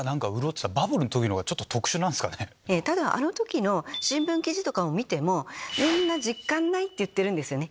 ただあの時の新聞記事とかを見てもみんな実感ないって言ってるんですよね